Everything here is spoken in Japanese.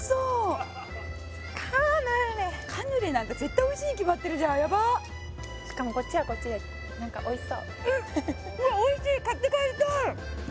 カーヌーレッカヌレなんか絶対おいしいに決まってるじゃんやばっしかもこっちはこっちで何かおいしそううんっうわっおいしい！